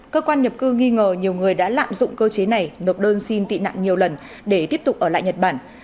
cơ quan nhập cư nghi ngờ nhiều người đã lạm dụng cơ chế này nộp đơn xin tị nạn nhiều lần để tiếp tục ở lại nhật bản